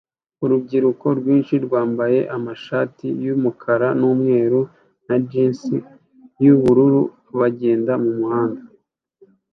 Urubyiruko rwinshi rwambaye amashati yumukara numweru na jinsi yubururu bagenda mumuhanda